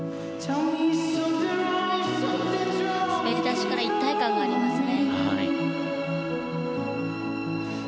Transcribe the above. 滑り出しから一体感がありますね。